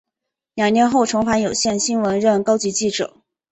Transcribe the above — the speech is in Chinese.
两年后重返有线新闻任高级记者。